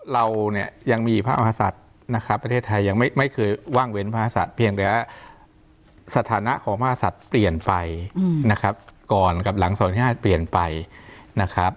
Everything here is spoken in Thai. เราเนี่ยยังมีพระมหาศัตริย์นะครับประเทศไทยยังไม่เคยว่างเว้นพระศัตว์เพียงแต่ว่าสถานะของพระศัตริย์เปลี่ยนไปนะครับก่อนกับหลัง๒๕เปลี่ยนไปนะครับ